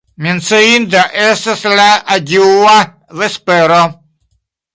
Menciinda estas la adiaŭa vespero.